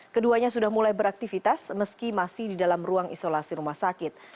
keduanya sudah mulai beraktivitas meski masih di dalam ruang isolasi rumah sakit